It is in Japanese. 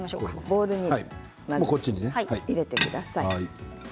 ボウルに入れてください。